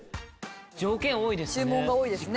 条件多いですよね。